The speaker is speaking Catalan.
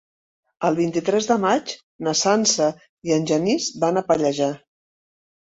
El vint-i-tres de maig na Sança i en Genís van a Pallejà.